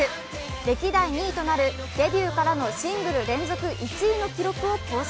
歴代２位となるデビューからのシングル連続１位の記録を更新。